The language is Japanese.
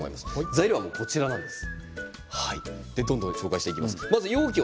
材料はこちらです。